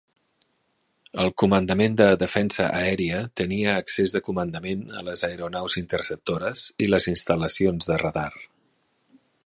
El Comandament de Defensa aèria tenia accés de comandament a les aeronaus interceptores i les instal·lacions de radar.